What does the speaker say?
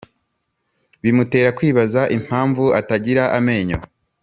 bimutera kwibaza impamvu atagira amenyo